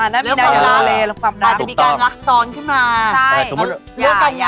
เรื่องความรักอาจจะมีการรักซ้อนขึ้นมา